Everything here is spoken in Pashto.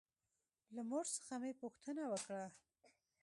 له مور څخه مې پوښتنه وکړه.